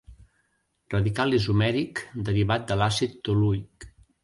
Radical isomèric derivat de l'àcid toluic.